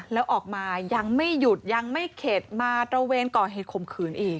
แล้วออกมายังไม่หยุดยังไม่เข็ดมาตระเวนก่อเหตุข่มขืนอีก